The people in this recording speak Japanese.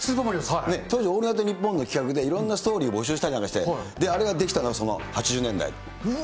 当時、オールナイトニッポンの企画で、いろんなストーリー募集したりなんかして、あれが出来たのはその８０年代。